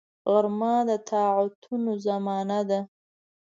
غرمه د طاعتونو زمان ده